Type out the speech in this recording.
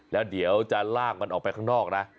แล้วเดี๋ยวจะลากมันออกไปข้างนอกนะ